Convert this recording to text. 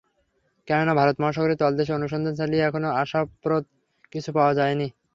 কেননা ভারত মহাসাগরের তলদেশে অনুসন্ধান চালিয়ে এখনো আশাপ্রদ কিছু পাওয়া যায়নি।